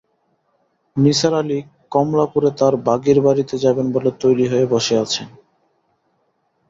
নিসার আলি কমলাপুরে তাঁর ভাগীর বাড়িতে যাবেন বলে তৈরি হয়ে বসে আছেন।